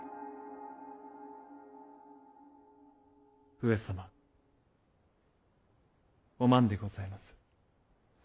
上様お万でございます。